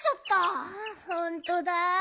ほんとだ。